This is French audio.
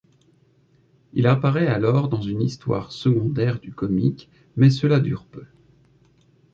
Il apparaît alors dans une histoire secondaire du comics mais cela dure peu.